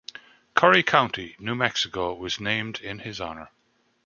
Curry County, New Mexico was named in his honor.